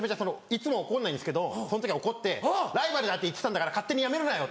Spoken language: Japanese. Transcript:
いつも怒んないんですけどその時は怒って「ライバルだって言ってたんだから勝手に辞めるなよ」